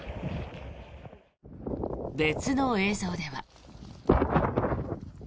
別の映像では。